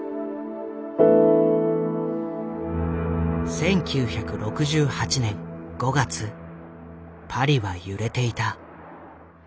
１９６８年５月パリは揺れていた。